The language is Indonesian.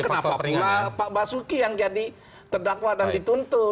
kenapa pak basuki yang jadi terdakwa dan dituntut